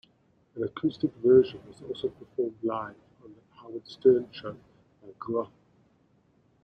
An acoustic version was also performed live on "The Howard Stern Show" by Grohl.